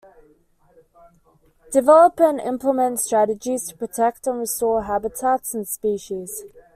Develop and implement strategies to protect and restore habitats and species.